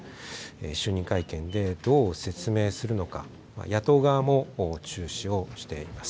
就任会見でどう説明するのか、野党側も注視をしています。